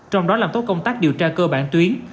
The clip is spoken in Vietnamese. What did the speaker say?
trong đó làm tốt công tác điều tra cơ bản tuyến